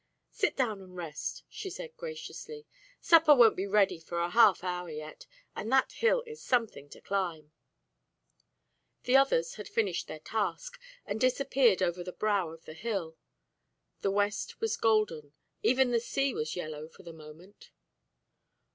"Sit down and rest," she said, graciously. "Supper won't be ready for a half hour yet, and that hill is something to climb." The others had finished their task, and disappeared over the brow of the hill. The west was golden; even the sea was yellow for the moment.